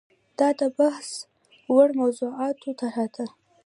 دا د بحث وړ موضوعاتو طرحه ده.